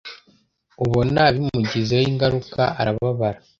ubona bimugizeho ingaruka arababara